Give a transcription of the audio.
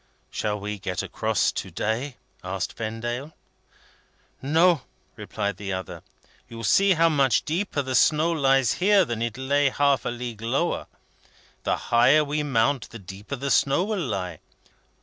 "Shall we get across to day?" asked Vendale. "No," replied the other. "You see how much deeper the snow lies here than it lay half a league lower. The higher we mount the deeper the snow will lie.